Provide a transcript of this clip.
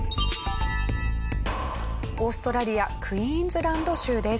オーストラリアクイーンズランド州です。